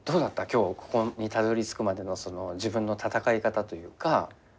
今日ここにたどり着くまでの自分の戦い方というか。